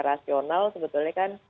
rasional sebetulnya kan